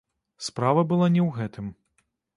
Справа была не ў гэтым.